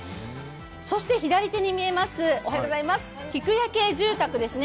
そして左手に見えます、菊屋家住宅です。